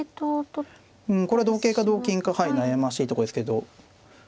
うんこれは同桂か同金か悩ましいところですけど。